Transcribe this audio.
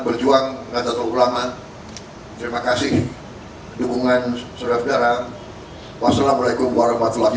berjuang kata pengulangan terima kasih dukungan saudara saudara wassalamualaikum warahmatullahi